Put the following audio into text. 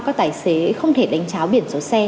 các tài xế không thể đánh cháo biển số xe